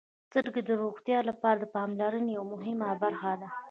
• سترګې د روغتیا لپاره د پاملرنې یوه مهمه برخه ده.